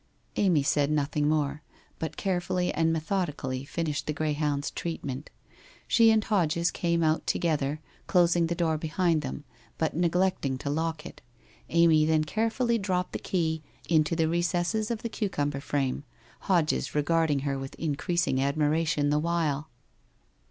Amy said nothing more, but carefullv and methodicallv finished the greyhound's treatment. She and Hodges came out together, closing the door behind them, but neglecting to lock it. Amy then carefully dropped the key into the recesses of a cucumber frame, Hodges regarding her with increasing admiration the while.